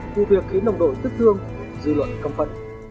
vụ việc khiến đồng đội tức thương dư luận công phân